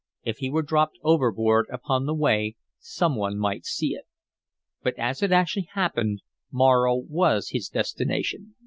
If he were dropped overboard upon the way some one might see it. But as it actually happened, Morro was his destination.